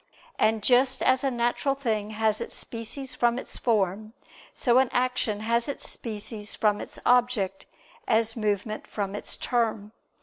And just as a natural thing has its species from its form, so an action has its species from its object, as movement from its term.